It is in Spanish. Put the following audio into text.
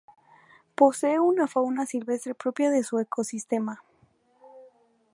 Posee una fauna silvestre propia de su ecosistema.